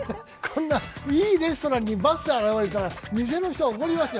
いいレストランにバスで現れたら店の人は怒りますよ